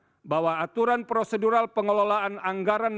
dan mengatakan bahwa aturan prosedural pengelolaan anggaran dan perusahaan perusahaan